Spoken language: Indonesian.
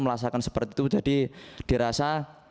merasakan seperti itu jadi dirasa